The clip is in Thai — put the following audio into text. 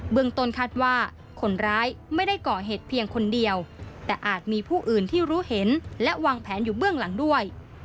เมืองต้นคาดว่าคนร้ายไม่ได้ก่อเหตุเพียงคนเดียวแต่อาจมีผู้อื่นที่รู้เห็นและวางแผนอยู่เบื้องหลังด้วย